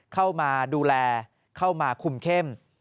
เข้ามาดูแลเข้ามาคุมเข้ม